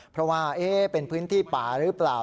เพราะว่าเป็นพื้นที่ป่าหรือเปล่า